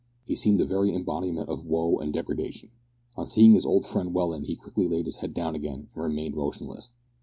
He seemed the very embodiment of woe and degradation. On seeing his old friend Welland he quickly laid his head down again and remained motionless.